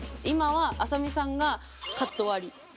今は浅見さんがカット割り。